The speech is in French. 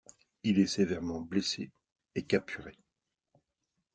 Il est sévèrement blessé et capturé.